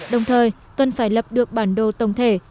đồng thời cần phải lập được bản đồ tổng thể